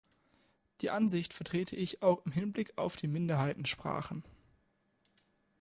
Diese Ansicht vertrete ich auch im Hinblick auf die Minderheitensprachen.